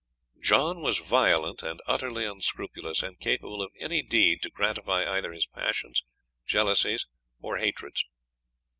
John was violent and utterly unscrupulous, and capable of any deed to gratify either his passions, jealousies, or hatreds.